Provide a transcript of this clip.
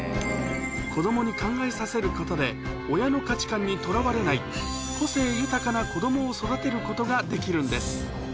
子どもに考えさせることで、親の価値観にとらわれない、個性豊かな子どもを育てることができるんです。